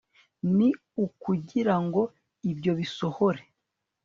ni ukugira ngo ibyo bisohore